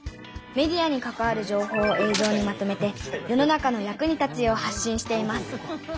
メディアに関わる情報を映像にまとめて世の中の役に立つよう発しんしています。